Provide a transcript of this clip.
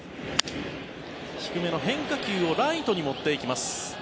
低めの変化球をライトに持っていきます。